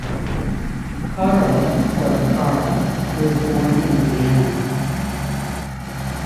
Carl (or Karl) was born in Vienna.